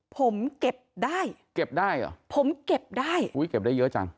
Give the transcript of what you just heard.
ผมเก็บได้เก็บได้เหรอผมเก็บได้อุ้ยเก็บได้เยอะจัง